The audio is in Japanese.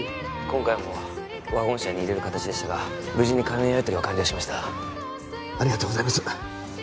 今回もワゴン車に入れる形でしたが無事に金のやりとりは完了しましたありがとうございます